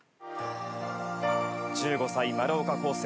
１５歳丸岡晃聖。